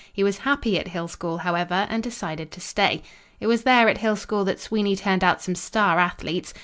He was happy at Hill School, however, and decided to stay. It was there at Hill School that Sweeney turned out some star athletes.